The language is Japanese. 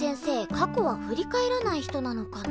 過去はふり返らない人なのかな。